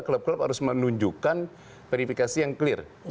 klub klub harus menunjukkan verifikasi yang clear